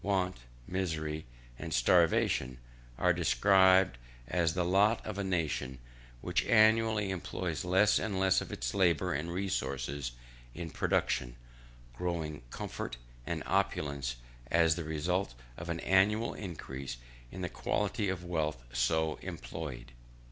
Want, misery, and starvation, are described as the lot of a nation which annually employs less and less of its labour and resources in production; growing comfort and opulence as the result of an annual increase in the quantity of wealth so employed.